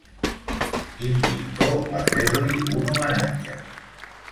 Quin pintor va fer-li un homenatge?